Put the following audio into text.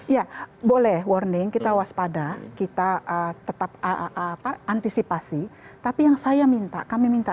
ya boleh warning kita waspada kita tetap antisipasi tapi yang saya minta kami minta